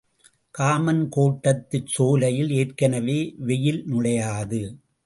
காமன்கோட்டத்துச் சோலையில் ஏற்கெனவே வெயில் நுழையாது.